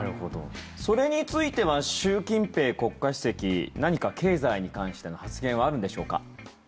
それについては習近平国家主席何か経済に関しての発言はあるんでしょうか。